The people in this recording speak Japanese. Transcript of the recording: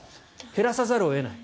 減らさざるを得ない。